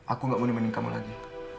aku gak mau nemenin kamu lagi